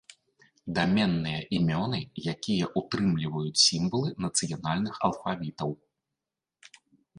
Даменныя імёны, якія ўтрымліваюць сімвалы нацыянальных алфавітаў.